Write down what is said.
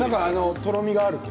とろみがある。